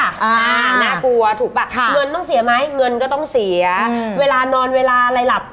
อ่าน่ากลัวถูกป่ะค่ะเงินต้องเสียไหมเงินก็ต้องเสียเวลานอนเวลาอะไรหลับ